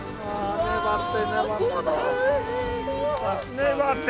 粘って。